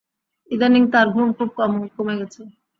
ইদানীং তার ঘুম খুব কমে গেছে।